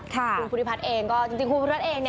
คุณภูทิพัทรเองก็จริงคุณภูทิพัทรเอง